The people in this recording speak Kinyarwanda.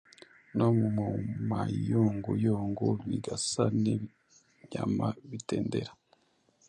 no mu mayunguyungu bigasa n’ibinyama bitendera